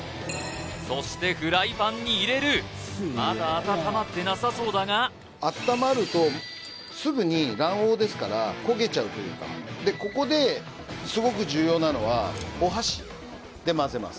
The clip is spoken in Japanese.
そしてフライパンに入れるまだ温まってなさそうだがあったまるとすぐに卵黄ですから焦げちゃうというかでここでで混ぜます